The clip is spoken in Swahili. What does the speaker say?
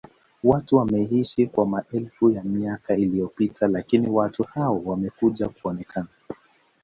watu wameishi kwa maelfu ya miaka iliyopita lakini watu hao wamekuja kuonekana